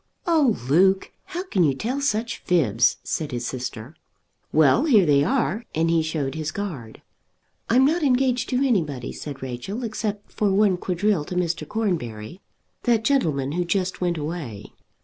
"Oh, Luke, how can you tell such fibs?" said his sister. "Well; here they are," and he showed his card. "I'm not engaged to anybody," said Rachel; "except for one quadrille to Mr. Cornbury, that gentleman who just went away."